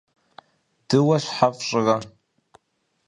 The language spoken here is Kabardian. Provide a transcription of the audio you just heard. Дыуэ щхьэ фщӀырэ?